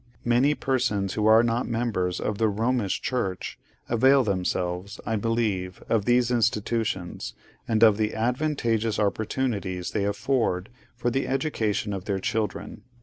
Many persons who are not members of the Romish Church, avail themselves, I believe, of these institutions, and of the advantageous opportunities they afford for the education of their children.